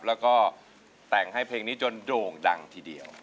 แล้วก็แต่งให้เพลงนี้จนโด่งดังทีเดียว